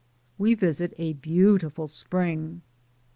WE VISIT A BEAUTIFUL SPRING.